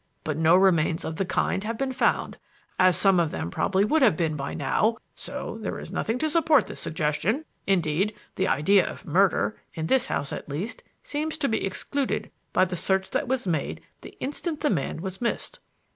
But no remains of the kind have been found, as some of them probably would have been by now, so that there is nothing to support this suggestion; indeed, the idea of murder, in this house at least, seems to be excluded by the search that was made the instant the man was missed.